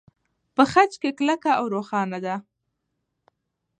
په خج کې کلکه او روښانه ده.